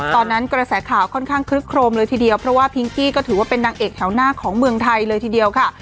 กระแสข่าวค่อนข้างคลึกโครมเลยทีเดียวเพราะว่าพิงกี้ก็ถือว่าเป็นนางเอกแถวหน้าของเมืองไทยเลยทีเดียวค่ะ